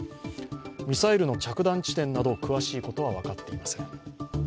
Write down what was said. ミサイルの着弾地点など詳しいことは分かっていません。